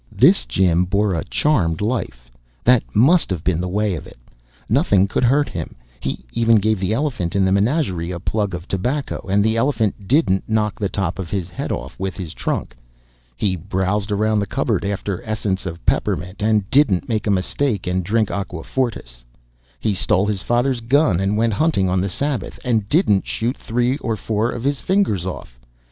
This Jim bore a charmed life that must have been the way of it. Nothing could hurt him. He even gave the elephant in the menagerie a plug of tobacco, and the elephant didn't knock the top of his head off with his trunk. He browsed around the cupboard after essence of peppermint, and didn't make a mistake and drink aqua fortis. He stole his father's gun and went hunting on the Sabbath, and didn't shoot three or four of his fingers off.